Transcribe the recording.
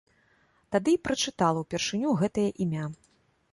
Тады і прачытала ўпершыню гэтае імя.